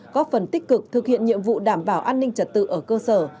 có phần tích cực thực hiện nhiệm vụ đảm bảo an ninh trật tự ở cơ sở